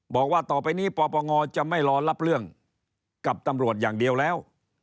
บอกว่าต่อไปนี้ปปงจะไม่รอรับเรื่องกับตำรวจอย่างเดียวแล้ว